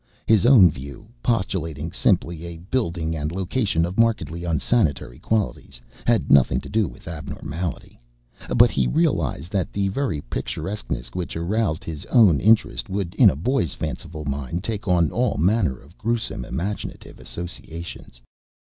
His own view, postulating simply a building and location of markedly unsanitary qualities, had nothing to do with abnormality; but he realized that the very picturesqueness which aroused his own interest would in a boy's fanciful mind take on all manner of gruesome imaginative associations.